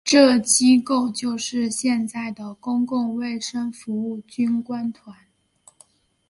这机构就是现在的公共卫生服务军官团。